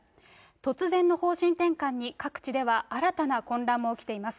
突然の方針転換に、各地では新たな混乱も起きています。